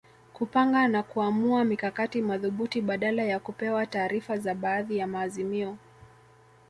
Kupanga na kuamua mikakati madhubuti badala ya kupewa taarifa za baadhi ya maazimio